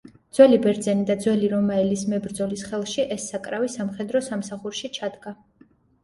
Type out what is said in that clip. ძველი ბერძენი და ძველი რომაელის მებრძოლის ხელში ეს საკრავი სამხედრო სამსახურში ჩადგა.